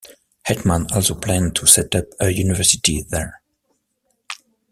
Hetman also planned to set up a university there.